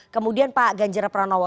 kemudian pak ganjera pranowo